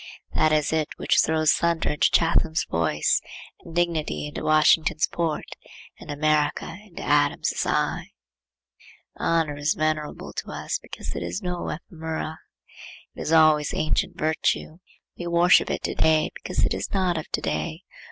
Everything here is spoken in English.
That is it which throws thunder into Chatham's voice, and dignity into Washington's port, and America into Adams's eye. Honor is venerable to us because it is no ephemera. It is always ancient virtue. We worship it to day because it is not of to day.